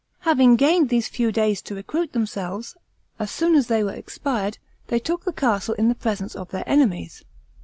Having gained these few days to recruit themselves, as soon as they were expired, they took the castle in the presence of their enemies.